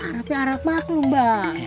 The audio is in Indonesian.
arafnya araf banget lomba